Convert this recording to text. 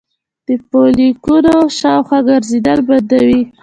د فولیکونو شاوخوا ګرځیدل بندوي